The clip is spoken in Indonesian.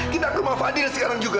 kita ke mas fadil sekarang juga